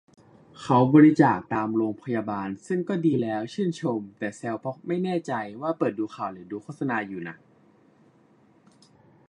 เขาบริจาคตามโรงพยาบาล ซึ่งก็ดีแล้ว ชื่นชม แต่แซวเพราะไม่แน่ใจว่าเปิดดูข่าวหรือดูโฆษณาอยู่น่ะ